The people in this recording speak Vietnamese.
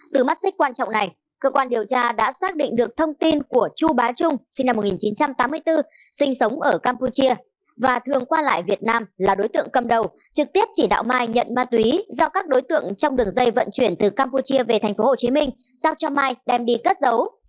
từ mắt xích quan trọng này cơ quan điều tra đã xác định được thông tin của chu bá trung sinh năm một nghìn chín trăm tám mươi bốn sinh sống ở campuchia và thường qua lại việt nam là đối tượng cầm đầu trực tiếp chỉ đạo mai nhận ma túy do các đối tượng trong đường dây vận chuyển từ campuchia về tp hcm giao cho mai đem đi cất giấu